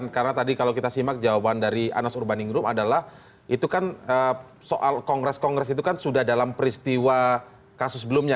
karena tadi kalau kita simak jawaban dari anas urbaningrum adalah itu kan soal kongres kongres itu kan sudah dalam peristiwa kasus sebelumnya